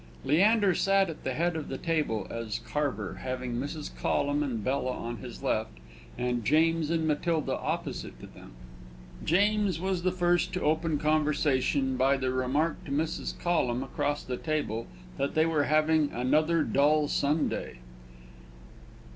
Leander sat at the head of the table as carver, having Mrs. Collum and Bella on his left, and James and Matilda opposite to them. James was the first to open conversation, by the remark to Mrs. Collum, across the table, that they were "having another dull Sunday."